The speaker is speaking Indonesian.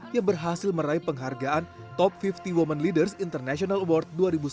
yang berhasil meraih penghargaan top lima puluh women leaders international award dua ribu sembilan belas